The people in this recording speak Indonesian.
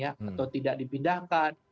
atau tidak dipindahkan